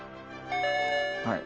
はい。